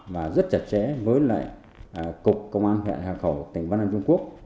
và rất chặt chẽ với lại cục công an huyện hà khẩu tỉnh văn an trung quốc